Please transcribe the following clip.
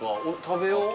食べよう。